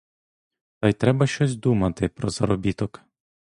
Та й треба щось думати про заробіток.